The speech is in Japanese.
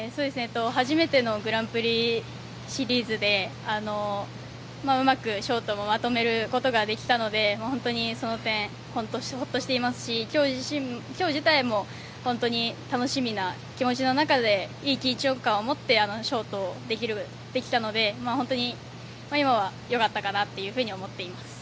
初めてのグランプリシリーズでうまくショートもまとめることができたので本当にその点ほっとしていますし今日自体も本当に楽しみな気持ちの中でいい緊張感を持ってショートをできたので本当に今は良かったかなと思っています。